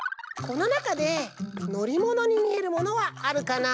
このなかでのりものにみえるものはあるかな？